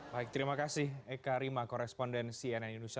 baik terima kasih eka rima korespondensi nn indonesia